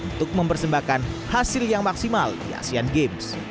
untuk mempersembahkan hasil yang maksimal di asean games